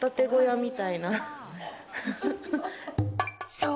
そう。